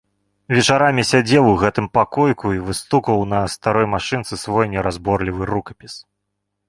Вечарамі сядзеў у гэтым пакоіку і выстукваў на старой машынцы свой неразборлівы рукапіс.